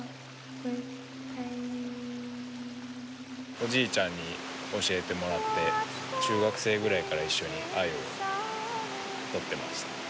おじいちゃんに教えてもらって中学生ぐらいから一緒にアユをとってました。